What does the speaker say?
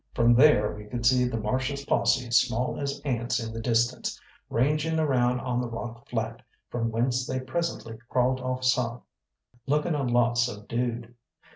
From there we could see the Marshal's posse small as ants in the distance, ranging around on the rock flat, from whence they presently crawled off south, looking a lot subdued.